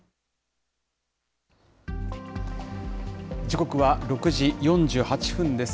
時刻は６時４８分です。